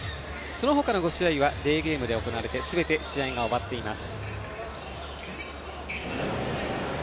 そのほかの５試合はデーゲームで行われてすべて試合が終わっています。